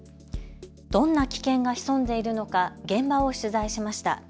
どんな危険が潜んでいるのか現場を取材しました。